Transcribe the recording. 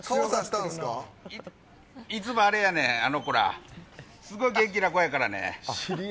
いつもあれやねん、あの子らすごい元気な子やからね。